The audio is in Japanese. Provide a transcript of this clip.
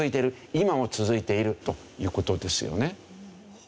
今も続いているという事ですよね。